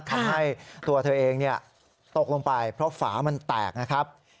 ทำให้ตัวเธอเองตกลงไปเพราะฝามันแตกนะครับ